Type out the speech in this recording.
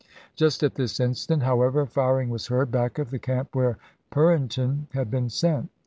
Just at this instant, however, firing was heard back of the camp, where Purinton had been sent.